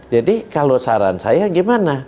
jadi kalau saran saya gimana